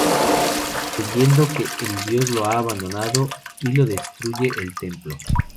Creyendo que el dios lo ha abandonado, Ilo destruye el templo.